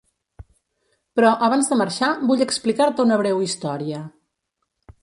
Però, abans de marxar, vull explicar-te una breu història.